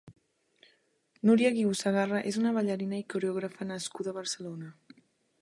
Nuria Guiu Sagarra és una ballarina i corògrafa nascuda a Barcelona.